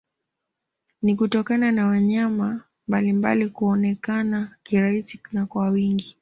Ni kutokana na wanyama mbalimbali kuonekana kirahisi na kwa wingi